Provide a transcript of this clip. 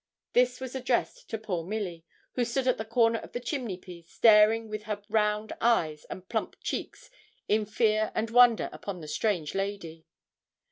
This was addressed to poor Milly, who stood at the corner of the chimney piece, staring with her round eyes and plump cheeks in fear and wonder upon the strange lady.